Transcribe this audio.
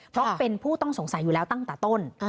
เพราะเป็นผู้ต้องสงสัยอยู่แล้วตั้งแต่ต้น